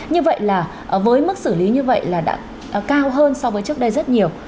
như vậy là với mức xử lý như vậy là đã cao hơn so với trước đây rất nhiều